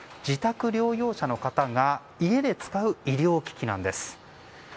自宅療養者の方が家で使う医療機器です。